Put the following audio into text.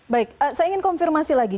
baik saya ingin konfirmasi lagi